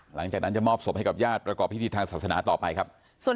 หลังจากนั้นจะมอบศพให้กับญาติประกอบพิธีทางศาสนาต่อไปครับ